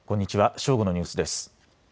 正午のニュースです。